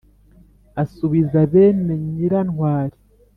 asubiza bene nyirantwali